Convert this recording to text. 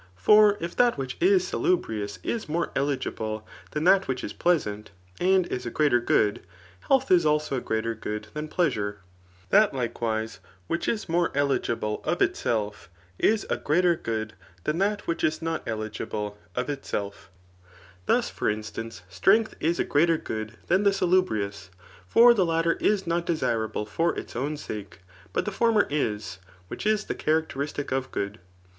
For if that which is salu* brious is more eligible than that which is pleasant, and is a greater good, health is also a greater good diao plea* sure. That, likewise, which is more el^gMe of itself is a •0 TiS£ ART OF BOOK I. grater good theft that which is not digible of itidf. Thwt for iqstance, strei^th is a greater good than tlie Salubrious ; for the latter is not de^rable for its own sake^ but the former is, which is the characteristic of good.